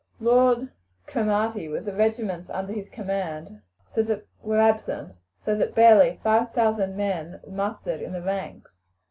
Lord Cromarty, with the regiments under his command, were absent, so that barely five thousand men were mustered in the ranks.